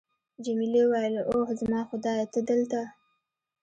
جميلې وويل:: اوه، زما خدایه، ته دلته!